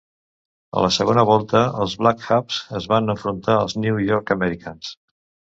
A la segona volta, els Black Hawks es van enfrontar als New York Americans.